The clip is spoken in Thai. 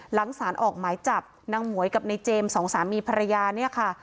หลังสารออกหมายจับนางหมวยกับในเจมส์สองสามีภรรยาเนี่ยค่ะ